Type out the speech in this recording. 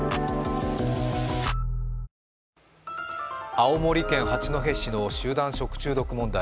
青森県八戸市の集団食中毒問題。